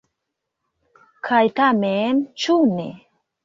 Kaj tamen, ĉu ne?